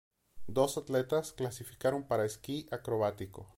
Dos atletas clasificaron para esquí acrobático.